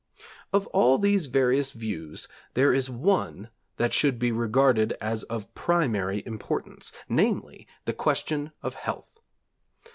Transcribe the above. Of all these various views there is one that should be regarded as of primary importance, namely, the question of health.